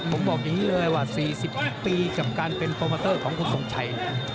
ผมบอกอย่างนี้เลยว่า๔๐ปี